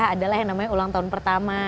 ada lah yang namanya ulang tahun pertama